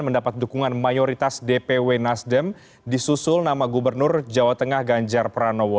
mendapat dukungan mayoritas dpw nasdem disusul nama gubernur jawa tengah ganjar pranowo